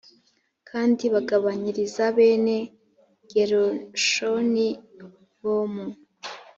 kandi bagabanyiriza bene gerushoni bo mu